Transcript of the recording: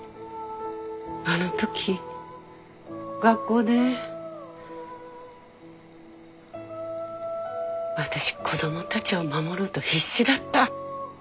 あの時学校で私子供たちを守ろうと必死だった。